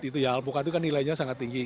itu ya alpukat itu kan nilainya sangat tinggi